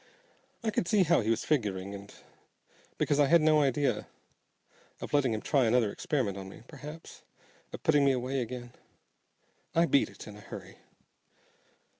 I could see how he was figuring, and because I had no idea of letting him try another experiment on me, p'r'aps of putting me away again, I beat it in a hurry.